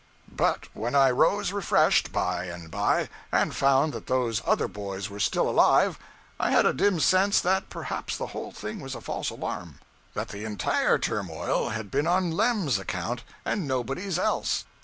But when I rose refreshed, by and by, and found that those other boys were still alive, I had a dim sense that perhaps the whole thing was a false alarm; that the entire turmoil had been on Lem's account and nobody's else.